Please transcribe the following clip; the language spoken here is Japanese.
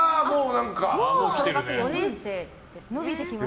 小学４年生です。